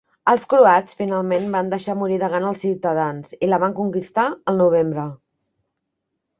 Els croats finalment van deixar morir de gana als ciutadans i la van conquistar el novembre.